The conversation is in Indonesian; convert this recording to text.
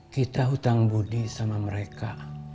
kita hutang budi sama mereka